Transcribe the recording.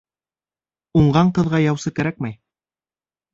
Уңған ҡыҙға яусы кәрәкмәй.